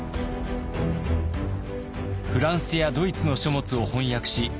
フランスやドイツの書物を翻訳し編集し直した